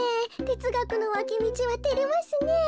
てつがくのわきみちはてれますねえ。